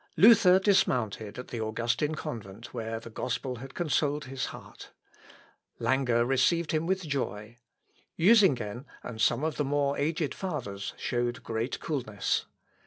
Luther dismounted at the Augustin convent, where the gospel had consoled his heart. Lange received him with joy; Usingen, and some of the more aged fathers, showed great coolness.